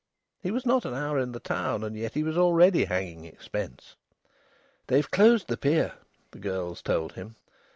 He was not an hour in the town, and yet was already hanging expense! "They've closed the pier," the girls told him.